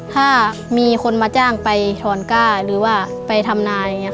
ถ้ามีคนมาจ้างไปถอนก้าหรือว่าไปทำนาย